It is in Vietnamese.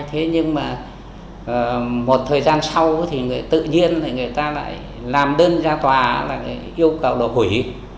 thế nhưng mà một thời gian sau thì tự nhiên người ta lại làm đơn ra tòa là yêu cầu đó hủy